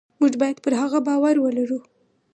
موږ باید پر هغه باور ولرو.